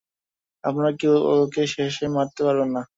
আপনারা কেউ ওকে শেষ মারতে পারবেন না।